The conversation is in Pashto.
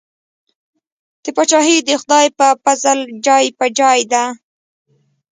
دا پاچاهي د خدای په پزل جای په جای ده.